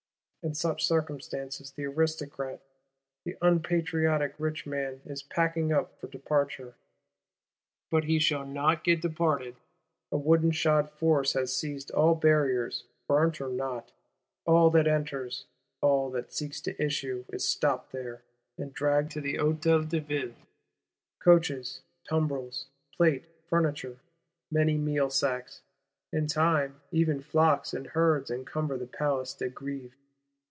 In such circumstances, the Aristocrat, the unpatriotic rich man is packing up for departure. But he shall not get departed. A wooden shod force has seized all Barriers, burnt or not: all that enters, all that seeks to issue, is stopped there, and dragged to the Hôtel de Ville: coaches, tumbrils, plate, furniture, "many meal sacks," in time even "flocks and herds" encumber the Place de Grève.